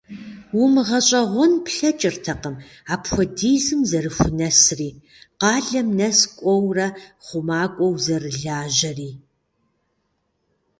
УмыгъэщӀэгъуэн плъэкӀыртэкъым апхуэдизым зэрыхунэсри, къалэм нэс кӀуэурэ, хъумакӀуэу зэрылажьэри.